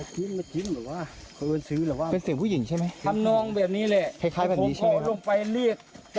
กูวิ่งจะแข้มหาย